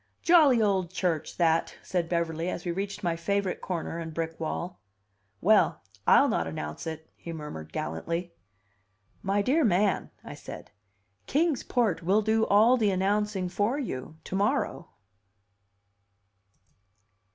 "Jolly old church, that," said Beverly, as we reached my favorite corner and brick wall. "Well, I'll not announce it!" he murmured gallantly. "My dear man," I said, "Kings Port will do all the announcing for you to morrow."